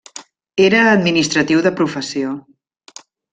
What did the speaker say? Era administratiu de professió.